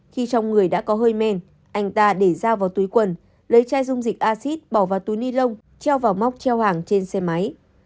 khi trong người đã có hơi men anh ta để giao vào túi quần lấy chai dung dịch acid bỏ vào túi ni lông treo vào móc treo hàng trên xe máy